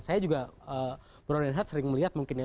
saya juga brown and hard sering melihat mungkin ya